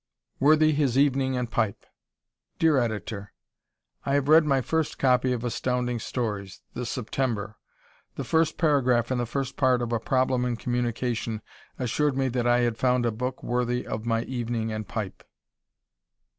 Worthy His Evening and Pipe Dear Editor: I have read my first copy of Astounding Stories, the September. The first paragraph in the first part of "A Problem in Communication" assured me that I had found a book worthy of my evening and pipe.